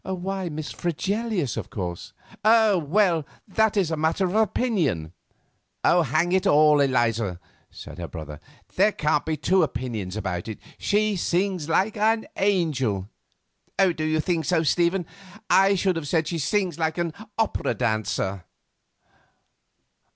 "Why, Miss Fregelius, of course." "Oh, well, that is a matter of opinion." "Hang it all, Eliza!" said her brother, "there can't be two opinions about it, she sings like an angel." "Do you think so, Stephen? I should have said she sings like an opera dancer."